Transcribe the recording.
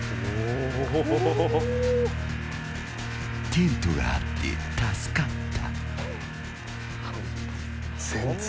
テントがあって助かった。